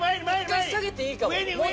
１回下げていいかも。